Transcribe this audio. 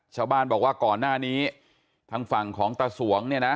ชาวบ้านบอกว่าก่อนหน้านี้ทางฝั่งของตาสวงเนี่ยนะ